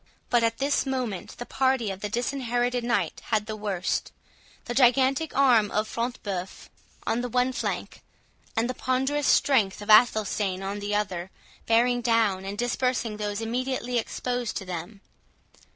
But at this moment the party of the Disinherited Knight had the worst; the gigantic arm of Front de Bœuf on the one flank, and the ponderous strength of Athelstane on the other, bearing down and dispersing those immediately exposed to them.